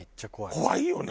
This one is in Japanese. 怖いよね。